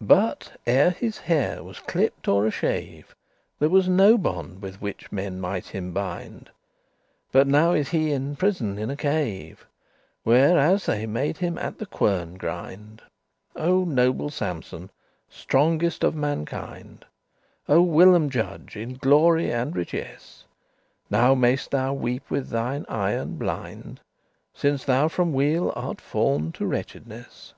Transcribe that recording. But, ere his hair was clipped or y shave, There was no bond with which men might him bind; But now is he in prison in a cave, Where as they made him at the querne* grind. *mill <6> O noble Sampson, strongest of mankind! O whilom judge in glory and richess! Now may'st thou weepe with thine eyen blind, Since thou from weal art fall'n to wretchedness.